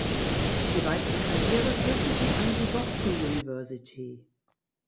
Die weitere Karriere führte sie an die Boston University.